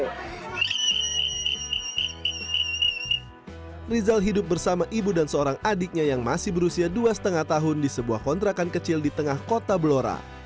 rizal hidup bersama ibu dan seorang adiknya yang masih berusia dua lima tahun di sebuah kontrakan kecil di tengah kota blora